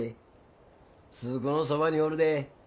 鈴子のそばにおるで。